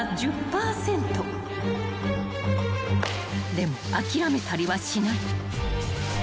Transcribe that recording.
［でも諦めたりはしない］